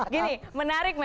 gini menarik memang